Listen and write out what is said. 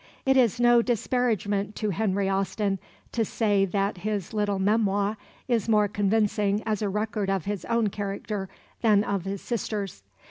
It is no disparagement to Henry Austen to say that his little memoir is more convincing as a record of his own character than of his sister's.